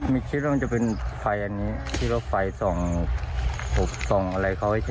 ไม่คิดว่ามันจะเป็นไฟอันนี้ที่รถไฟส่องอะไรเขาให้เจอ